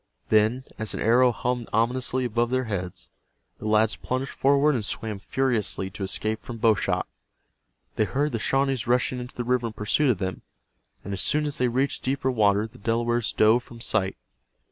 Then, as an arrow hummed ominously above their heads, the lads plunged forward and swam furiously to escape from bow shot. They heard the Shawnees rushing into the river in pursuit of them, and as soon as they reached deeper water the Delawares dove from sight.